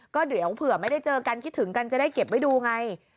ก็เดี๋ยวเผื่อไม่ได้เจอกันคิดถึงกันจะได้เก็บไว้ดูไง